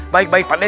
baik baik pak d